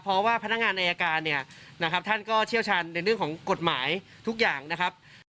เพราะว่าพนักงานอายการเนี่ยนะครับท่านก็เชี่ยวชาญในเรื่องของกฎหมายทุกอย่างนะครับ